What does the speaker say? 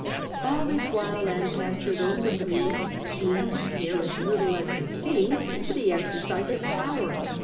All this while Lancaster, though supreme, seemed to care as little as the king for the exer cise of power.